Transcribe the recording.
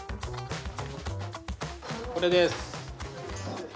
これです。